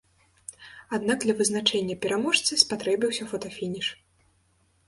Аднак для вызначэння пераможцы спатрэбіўся фотафініш.